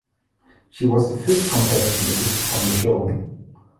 She was the fifth contestant evicted from the show.